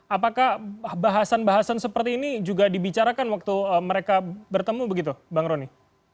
apakah bahasan bahasan seperti ini juga dibicarakan waktu mereka bertemu begitu bang roni